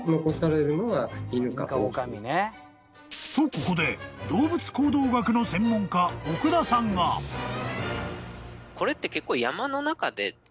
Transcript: ［とここで動物行動学の専門家奥田さんが］はいそうなんです。